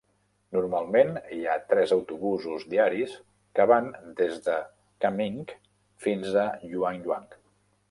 Normalment hi ha tres autobusos diaris que van des de Kunming fins a Yuanyang.